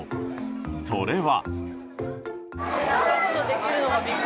それは。